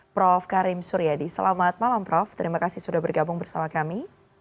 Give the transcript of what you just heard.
prof karim suryadi selamat malam prof terima kasih sudah bergabung bersama kami